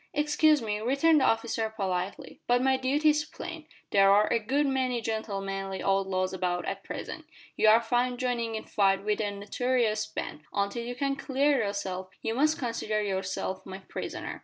"Excuse me," returned the officer politely, "but my duty is plain. There are a good many gentlemanly outlaws about at present. You are found joining in fight with a notorious band. Until you can clear yourself you must consider yourself my prisoner.